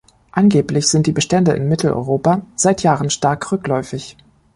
Angeblich sind die Bestände in Mitteleuropa seit Jahren stark rückläufig.